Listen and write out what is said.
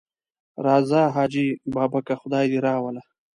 راځه حاجي بابکه خدای دې راوله.